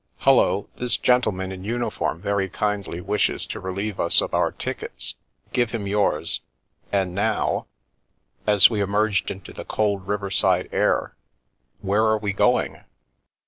Hullo! this gentleman in uniform very kindly wishes to relieve us of our tickets ; give him yours. And now " as we emerged into the cold riverside air, " where are we going?